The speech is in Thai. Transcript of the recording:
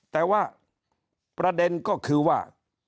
แต่ว่าประเด็นก็คือว่า